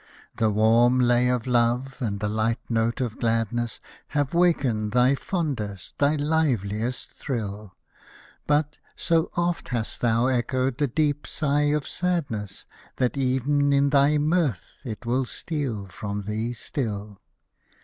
The warm lay of love and the light note of gladness Have wakened thy .fondest, thy liveHest thrill ; But, so oft hast thou echoed the deep sigh of sadness. That ev'n in thy mirth it will steal from thee still.